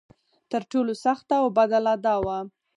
تر ټولو سخته او بده لا دا وه.